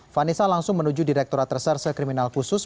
vanessa langsung menuju direkturat reserse kriminal khusus